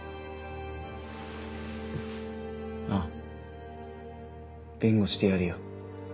ああ弁護してやるよ。